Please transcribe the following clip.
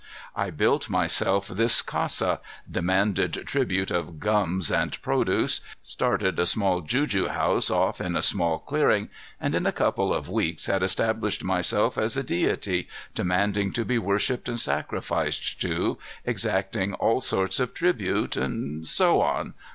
I built myself this casa, demanded tribute of gums and produce, started a small juju house off in a small clearing, and in a couple of weeks had established myself as a deity, demanding to be worshiped and sacrificed to, exacting all sorts of tribute, and so on.